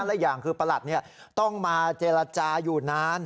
และอย่างคือประหลัดต้องมาเจรจาอยู่นาน